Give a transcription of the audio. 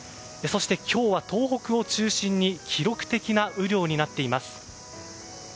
そして今日は東北を中心に記録的な雨量になっています。